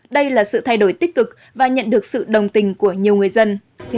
đây là sự thay đổi tích cực và nhận được sự đồng tình của nhiều người dân